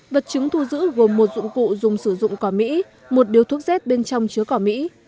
vật chứng thu giữ gồm một dụng cụ dùng sử dụng cỏ mỹ một điếu thuốc z bên trong chứa cỏ mỹ